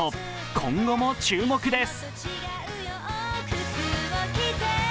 今後も注目です。